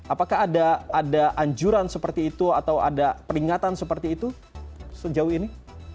apakah ada anjuran seperti itu atau ada peringatan seperti itu sejauh ini